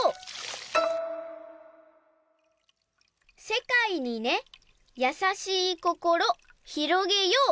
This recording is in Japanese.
「せかいにねやさしいこころひろげよう」。